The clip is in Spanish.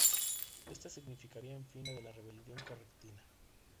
Ésta significaría el fin de la rebelión correntina.